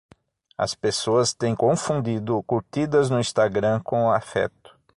As pessoas têm confundido curtidas no Instagram com afeto